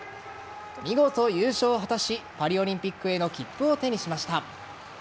見事、優勝を果たしパリオリンピックへの切符を手にしました。